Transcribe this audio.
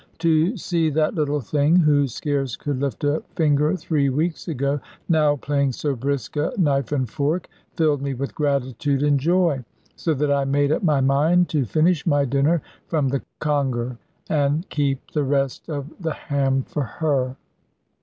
To see that little thing, who scarce could lift a finger three weeks ago, now playing so brisk a knife and fork, filled me with gratitude and joy, so that I made up my mind to finish my dinner from the conger, and keep the rest of the ham for her.